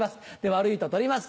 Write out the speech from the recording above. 悪いと取ります。